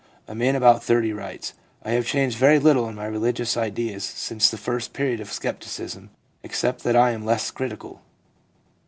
A man about 30 writes :' I have changed very little in my religious ideas since the first period of scepticism, except that I am less critical.